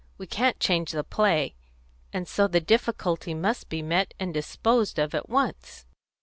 We can't change the play, and so the difficulty must be met and disposed of at once."